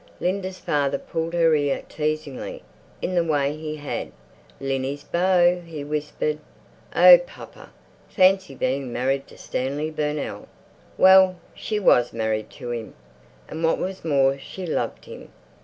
Linda's father pulled her ear teasingly, in the way he had. "Linny's beau," he whispered. "Oh, papa, fancy being married to Stanley Burnell!" Well, she was married to him. And what was more she loved him.